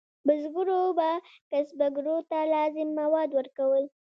بزګرو به کسبګرو ته لازم مواد ورکول.